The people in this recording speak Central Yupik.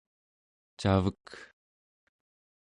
cavek